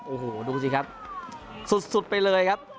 โอ้โหดูสิครับสุดไปเลยครับ